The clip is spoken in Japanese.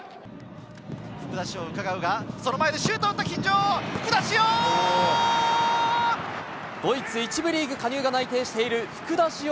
福田師王がうかがうが、その前でシュートを打った、福田師王。